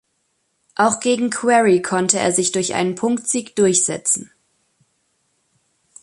Auch gegen Quarry konnte er sich durch einen Punktsieg durchsetzen.